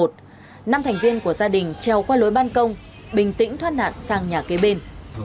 năm thành viên của gia đình treo qua lối ban công bình tĩnh thoát nạn sang nhà kế bên